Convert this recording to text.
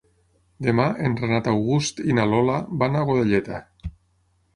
Demà en Renat August i na Lola van a Godelleta.